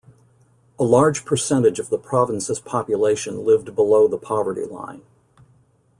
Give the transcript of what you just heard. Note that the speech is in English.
A large percentage of the province's population lived below the poverty line.